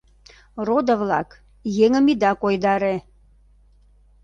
— Родо-влак, еҥым ида койдаре.